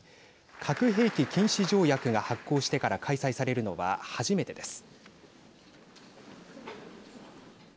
核兵器禁止条約が発効してから開催されるのは初めてです。